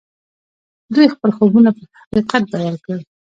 دوی خپل خوبونه پر حقيقت بدل کړل.